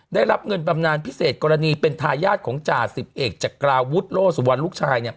ได้รับเงินบำนานพิเศษกรณีเป็นทายาทของจ่าสิบเอกจากกราวุฒิโลสุวรรณลูกชาย